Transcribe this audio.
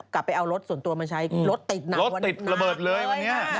กลับไปเอารถส่วนตัวมาใช้รถติดหนักเลยค่ะ